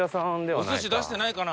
お寿司出してないかな？